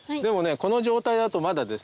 でもこの状態だとまだ。